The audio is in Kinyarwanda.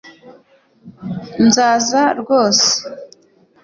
nzaza rwose